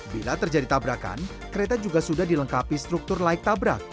bila terjadi tabrakan kereta juga sudah dilengkapi struktur laik tabrak